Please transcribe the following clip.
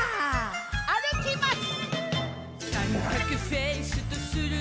あるきます。